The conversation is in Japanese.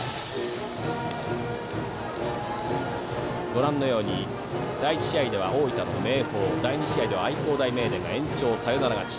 ご覧のように第１試合では大分の明豊第２試合では愛工大名電が延長サヨナラ勝ち。